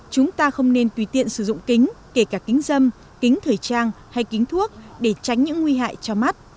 chúng ta không nên tùy tiện sử dụng kính kể cả kính dâm kính thời trang hay kính thuốc để tránh những nguy hại cho mắt